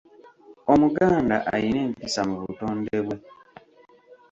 Omuganda ayina empisa mu butonde bwe.